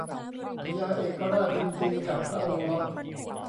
พญาเอกราชยินดีกับพระโอรส